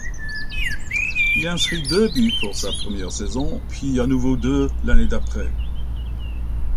Il inscrit deux buts pour sa première saison, puis à nouveau deux l'année d'après.